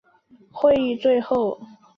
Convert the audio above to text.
会议最后